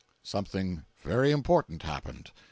jpg (49K) Something very important happened.